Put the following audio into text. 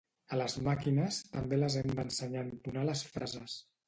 A les màquines també les hem d'ensenyar a entonar les frases